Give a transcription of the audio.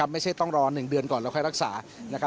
ไม่ใช่ต้องรอ๑เดือนก่อนแล้วค่อยรักษา